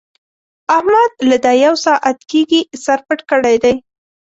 احمد له دا يو ساعت کېږي سر پټ کړی دی.